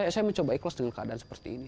saya mencoba ikhlas dengan keadaan seperti ini